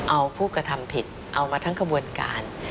เอาผู้กระทำผิดเอามาทั้งขบวนการ